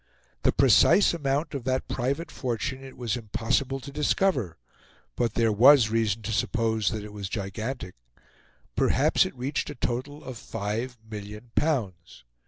The precise amount of that private fortune it was impossible to discover; but there was reason to suppose that it was gigantic; perhaps it reached a total of five million pounds.